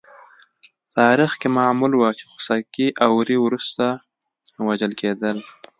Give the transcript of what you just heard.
تاریخ کې معمول وه چې خوسکي او وری وروسته وژل کېدل.